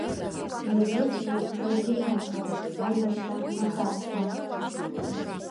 Иагьыцәгьоуп, иагьыхьанҭоуп аибашьра аҵасқәа…